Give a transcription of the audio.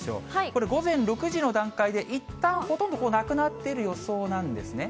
これ、午前６時の段階でいったんほとんどなくなっている予想なんですね。